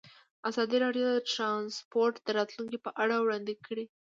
ازادي راډیو د ترانسپورټ د راتلونکې په اړه وړاندوینې کړې.